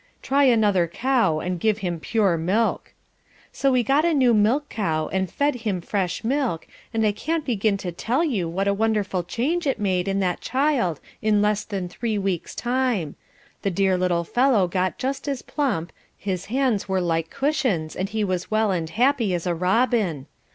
'Try another cow, and give him pure milk.' So we got a new milch cow and fed him fresh milk, and I can't begin to tell you what a wonderful change it made in that child in less than three weeks' time; the dear little fellow got just as plump, his hands were like cushions, and he was well and happy as a robin.